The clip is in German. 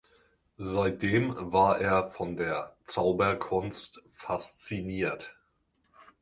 Seitdem war er von der Zauberkunst fasziniert.